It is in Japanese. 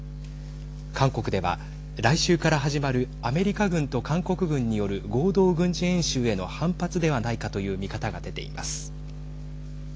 韓国では来週から始まるアメリカ軍と韓国軍による合同軍事演習への反発ではないかという見方が出ています。